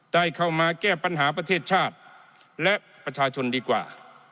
ได้เข้ามาแก้ปัญหาประเทศชาติและประชาชนดีกว่า